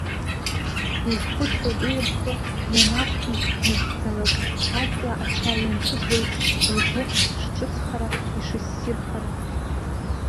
Иазхәыцуеит уи рхы ианақәиҭнатәӡалак, аҵла ацәа ианҭыҵуеиԥш, ргәы шҿыцхара, ишыссирхара.